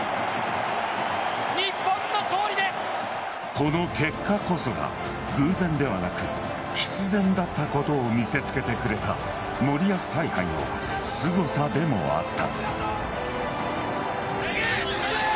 この結果こそが、偶然ではなく必然だったことを見せ付けてくれた森保采配のすごさでもあった。